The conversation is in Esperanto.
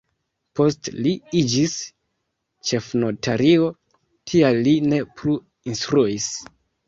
Poste li iĝis ĉefnotario, tial li ne plu instruis.